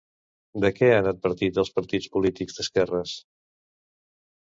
De què han advertit als partits polítics d'esquerres?